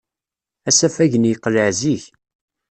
Asafag-nni yeqleɛ zik.